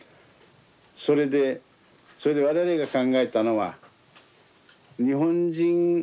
それでそれで我々が考えたのは日本人日本人側からね